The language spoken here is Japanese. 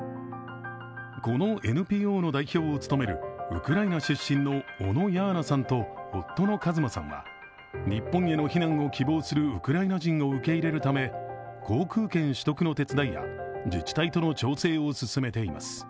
このＮＰＯの代表を務めるウクライナ出身の小野ヤーナさんと夫の一馬さんは日本への避難を希望するウクライナ人を受け入れるため航空券取得の手伝いや自治体との調整を進めています。